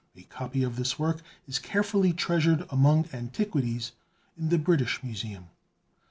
A copy of this work is carefully treasured among antiquities in the British Museum.